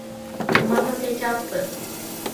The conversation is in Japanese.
トマトケチャップ